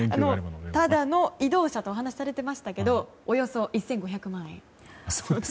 ただの移動車と話されていましたけれどもおよそ１５００万円。